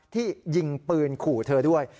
ที่ยิงปืนขู่เธอด้วย